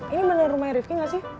ini bener rumahnya rifqi gak sih